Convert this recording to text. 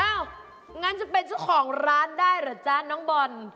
เอ้างั้นจะเป็นชุของร้านได้หรือจ๊ะน้องบอน